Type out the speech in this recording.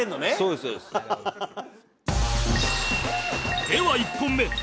では１本目